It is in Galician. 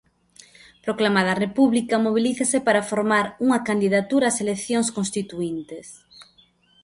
Proclamada a República, mobilízase para formar unha candidatura ás eleccións constituíntes.